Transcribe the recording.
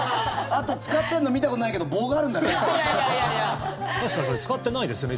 あと使ってるの見たことないけど棒があるんだね。